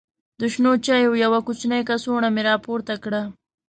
د شنو چایو یوه کوچنۍ کڅوړه مې راپورته کړه.